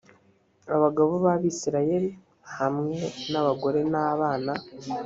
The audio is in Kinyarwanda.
abagabo b abisirayeli hamwe n abagore n abana